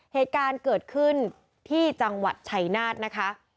เหตุการณ์เกิดขึ้นที่จังหวัดชัยนาธนะคะ